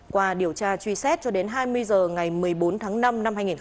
qua điều tra truy xét cho đến hai mươi h ngày một mươi bốn tháng năm năm hai nghìn hai mươi ba